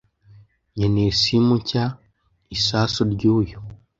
Nkeneye sima nshya. Isasu ry'uyu.